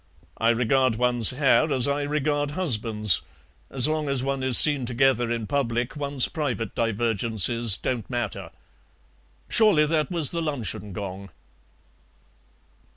I regard one's hair as I regard husbands: as long as one is seen together in public one's private divergences don't matter. Surely that was the luncheon gong."